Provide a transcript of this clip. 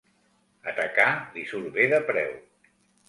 Atacar li surt bé de preu.